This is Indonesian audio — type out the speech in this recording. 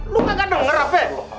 lo kagak denger hp